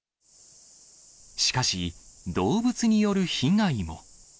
しかし、動物による被害も。